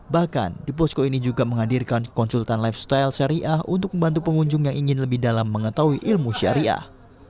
bahkan di posko ini juga menghadirkan konsultan lifestyle syariah untuk membantu pengunjung yang ingin lebih dalam mengetahui ilmu syariah